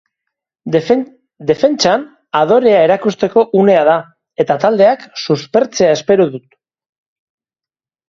Defentsan adorea erakusteko unea da, eta taldeak suspertzea espero dut.